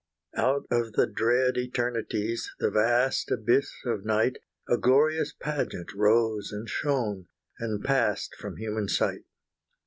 Out of the dread eternities, The vast abyss of night, A glorious pageant rose and shone, And passed from human sight.